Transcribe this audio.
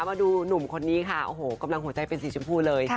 มาดูหนุ่มคนนี้ค่ะโอ้โหกำลังหัวใจเป็นสีชมพูเลย